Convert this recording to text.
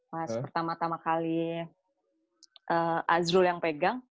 pas pertama tama kali azrul yang pegang